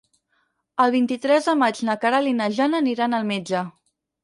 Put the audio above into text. El vint-i-tres de maig na Queralt i na Jana aniran al metge.